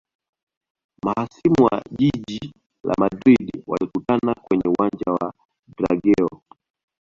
mahasimu wa jiji la madrid walikutana kwenye uwanja wa drageo